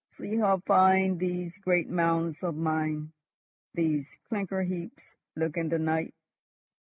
"See how fine these great mounds of mine, these clinker heaps, look in the night!